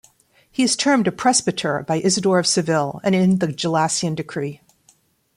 He is termed a presbyter by Isidore of Seville and in the Gelasian decree.